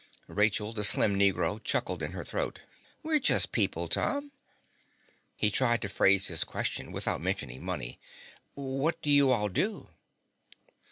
Rachel, the slim Negro, chuckled in her throat. "We're just people, Tom." He tried to phrase his question without mentioning money. "What do you all do?"